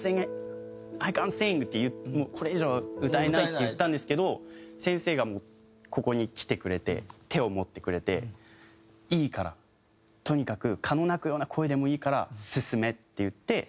で僕「Ｉｃａｎ’ｔｓｉｎｇＩｃａｎ’ｔｓｉｎｇ」って「もうこれ以上歌えない」って言ったんですけど先生がもうここに来てくれて手を持ってくれて「いいからとにかく蚊の鳴くような声でもいいから進め！」って言って。